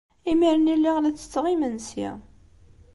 Imir-nni, lliɣ la ttetteɣ imensi.